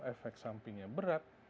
efek sampingnya berat